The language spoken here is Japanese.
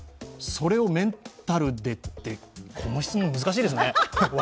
それをメンタルでってこの質問難しいですね。